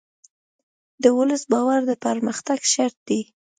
د ولس باور د پرمختګ شرط دی.